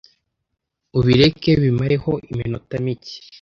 ubireke bimareho iminota mike